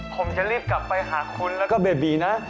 ผมจะรีบกลับไปหาคุณแล้วก็เบบีนะ